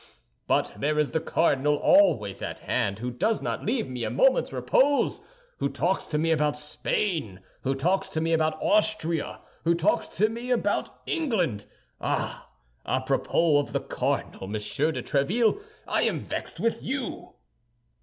But there is the cardinal always at hand, who does not leave me a moment's repose; who talks to me about Spain, who talks to me about Austria, who talks to me about England! Ah! à propos of the cardinal, Monsieur de Tréville, I am vexed with you!"